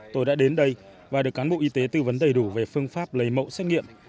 tôi đã đến đây và được cán bộ y tế tư vấn đầy đủ về phương pháp lấy mẫu xét nghiệm